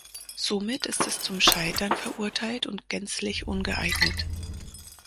Somit ist es zum Scheitern verurteilt und gänzlich ungeeignet.